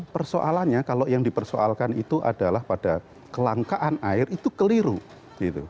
persoalannya kalau yang dipersoalkan itu adalah pada kelangkaan air itu keliru gitu